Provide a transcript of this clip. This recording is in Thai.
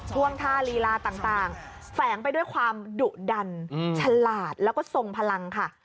่วงท่าลีลาต่างแฝงไปด้วยความดุดันฉลาดแล้วก็ทรงพลังค่ะ